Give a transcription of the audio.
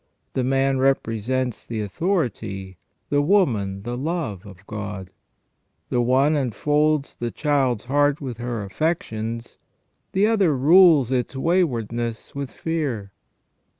The man represents the authority, the woman the love, of God ; the one enfolds the child's heart with her affections, the other rules its waywardness with fear.